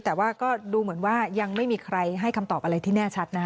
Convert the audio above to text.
แต่ว่าก็ดูเหมือนว่ายังไม่มีใครให้คำตอบอะไรที่แน่ชัดนะฮะ